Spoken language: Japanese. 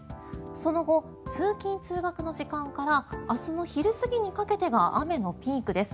その後、通勤・通学の時間から明日の昼過ぎにかけてが雨のピークです。